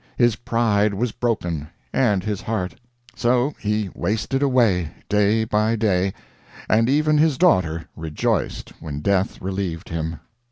His pride was broken, and his heart; so he wasted away, day by day, and even his daughter rejoiced when death relieved him.